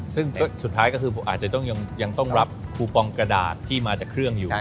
ซึ่งสุดท้ายก็คือผมอาจจะต้องยังต้องรับคูปองกระดาษที่มาจากเครื่องอยู่